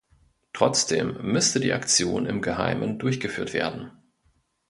Trotzdem müsste die Aktion im Geheimen durchgeführt werden.